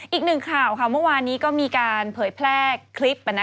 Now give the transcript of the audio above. อีกหนึ่งข่าวค่ะเมื่อวานนี้ก็มีการเผยแพร่คลิป